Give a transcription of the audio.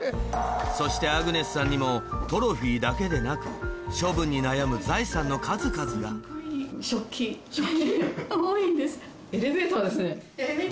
そしてアグネスさんにもトロフィーだけでなく処分に悩む財産の数々がエレベーターです。